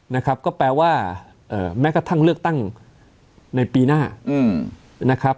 นะครับก็แปลว่าแม้กระทั่งเลือกตั้งในปีหน้านะครับ